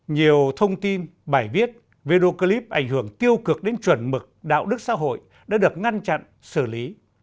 nhiều thông tin bài viết video clip ảnh hưởng tiêu cực đến chuẩn mực đạo đức xã hội đã được ngăn chặn xử lý